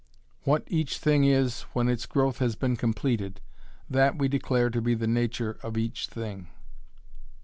'What each thing is when its growth has been completed, that we declare to be the nature of each thing'.